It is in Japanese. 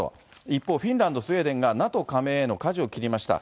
一方、フィンランド、スウェーデンが、ＮＡＴＯ加盟へのかじを切りました。